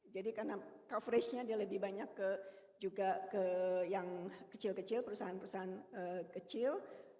jadi karena coverage nya dia lebih banyak juga ke yang kecil kecil perusahaan perusahaan kecil